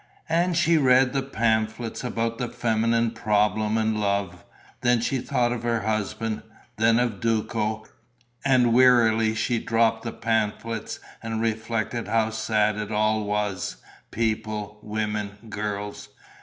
And she read the pamphlets, about the feminine problem and love. Then she thought of her husband, then of Duco. And wearily she dropped the pamphlets and reflected how sad it all was: people, women, girls.